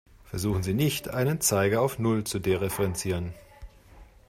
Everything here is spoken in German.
Versuchen Sie nicht, einen Zeiger auf null zu dereferenzieren.